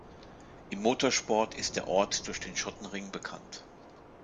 Im Motorsport ist der Ort durch den Schottenring bekannt.